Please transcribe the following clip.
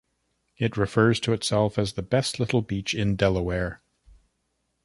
It refers to itself as The Best Little Beach in Delaware.